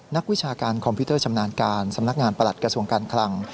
วิชาการคอมพิวเตอร์ชำนาญการสำนักงานประหลัดกระทรวงการคลัง